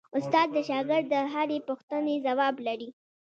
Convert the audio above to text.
استاد د شاګرد د هرې پوښتنې ځواب لري.